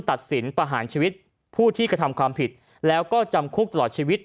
ตัดสินประหารชีวิตผู้ที่กระทำความผิดแล้วก็จำคุกตลอดชีวิต